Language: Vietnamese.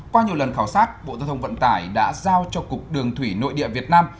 qua nhiều lần khảo sát bộ giao thông vận tải đã giao cho cục đường thủy nội địa việt nam